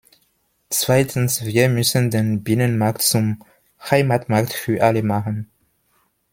Zweitens, wir müssen den Binnenmarkt zum Heimatmarkt für alle machen.